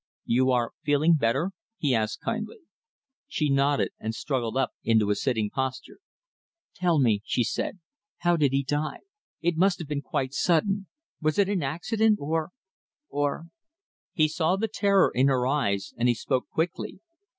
"You are feeling better?" he asked kindly. She nodded, and struggled up into a sitting posture. "Tell me," she said, "how did he die? It must have been quite sudden. Was it an accident? or or " He saw the terror in her eyes, and he spoke quickly.